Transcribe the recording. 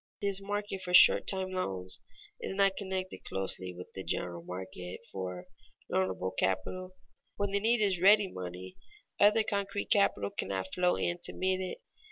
This market for short time loans is not connected closely with the general market for loanable capital. When the need is for ready money, other concrete capital cannot flow in to meet it.